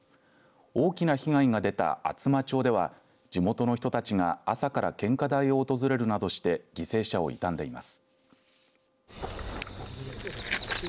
大きな被害が出た厚真町では地元の人たちが朝から献花台を訪れるなどして犠牲者を悼んでいます。